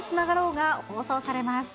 が放送されます。